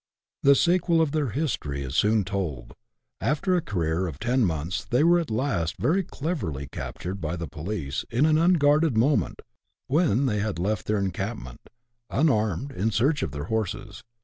The sequel of their history is soon told. After a career of ten months, they were at last very cleverly captured by the police, in an unguarded moment, when they had left their encampment, unarmed, in search of their horses.